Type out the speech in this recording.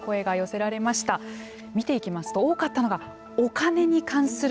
見ていきますと多かったのがお金に関する悩みだったんです。